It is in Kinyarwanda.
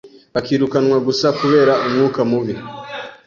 bakirukanwa kubera gusa umwuka mubi